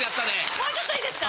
もうちょっと良いですか？